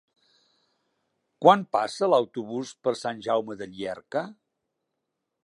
Quan passa l'autobús per Sant Jaume de Llierca?